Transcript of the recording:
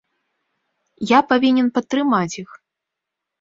Я павінен падтрымаць іх.